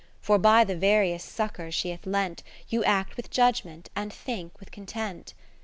For by the various succours she hath lent, You act with judgement, and think with content.